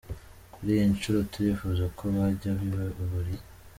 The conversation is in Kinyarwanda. Kuri iyi nshuro turifuza ko byajya biba buri .